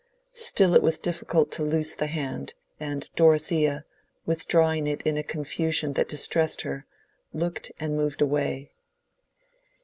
Still it was difficult to loose the hand, and Dorothea, withdrawing it in a confusion that distressed her, looked and moved away.